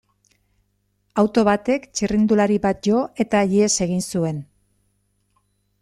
Auto batek txirrindulari bat jo, eta ihes egin zuen.